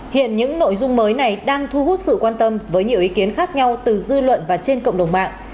hiện những nội dung mới này đang thu hút sự quan tâm với nhiều ý kiến khác nhau từ dư luận và trên cộng đồng mạng